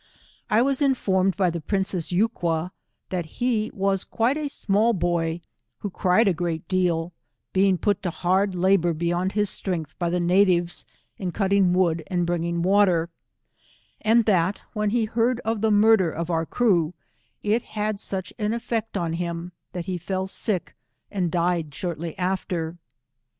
I was informed by the princess Tuqua, that he was quite a small boy, who cried a great deal, being put to hard labour beyond his strength by the natives, in cutting wood and bringing water, and that when he heard of the murder of our crew, it had such an effect on him, that he fell sick and died shortly after.